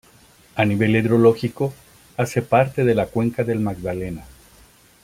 A nivel hidrológico hace parte de la cuenca del Magdalena.